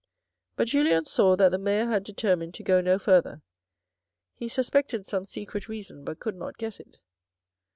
But Julien saw that the mayor had determined to go no further. He suspected some secret reason but could not guess it.